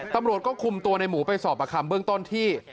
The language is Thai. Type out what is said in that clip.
ตำรวจก็คุมตัวในหมูไปสอบประคำเบื้องต้นที่